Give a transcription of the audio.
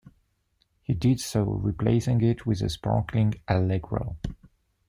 He did so, replacing it with a sparkling "Allegro".